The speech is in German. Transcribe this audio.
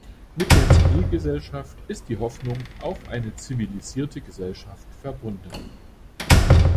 Mit der Zivilgesellschaft ist die Hoffnung auf eine zivilisierte Gesellschaft verbunden.